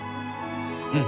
うん。